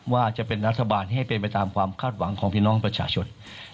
ว่าจะเป็นรัฐบาลให้เป็นไปตามความคาดหวังของพี่น้องประชาชน